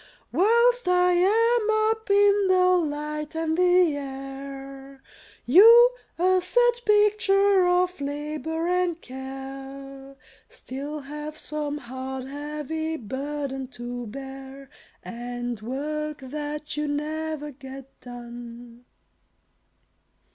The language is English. Whilst I am up in the light and the air, You, a sad picture of labor and care, Still have some hard, heavy burden to bear, And work that you never get done.